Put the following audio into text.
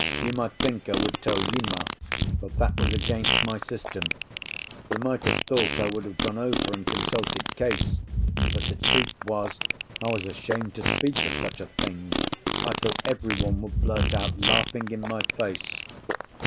You might think I would tell Uma, but that was against my system. You might have thought I would have gone over and consulted Case; but the truth was I was ashamed to speak of such a thing, I thought everyone would blurt out laughing in my face.